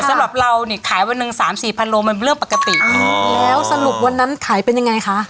วันนั้นขายเป็นยังไงคะ